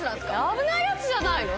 危ないやつじゃないの？